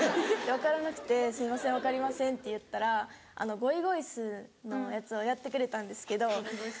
分からなくて「すいません分かりません」って言ったらゴイゴイスーのやつをやってくれたんですけど。